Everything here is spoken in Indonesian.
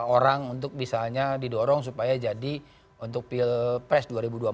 orang untuk misalnya didorong supaya jadi untuk pilpres dua ribu dua puluh empat